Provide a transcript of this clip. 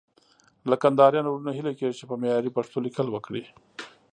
له کندهاريانو وروڼو هيله کېږي چې په معياري پښتو ليکل وکړي.